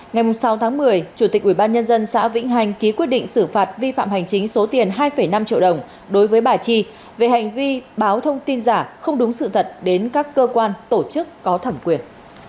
ngày sáu tháng một mươi chủ tịch ubnd xã vĩnh hành ký quyết định xử phạt vi phạm hành chính số tiền hai năm triệu đồng đối với bà chi về hành vi báo thông tin giả không đúng sự thật đến các cơ quan tổ chức có thẩm quyền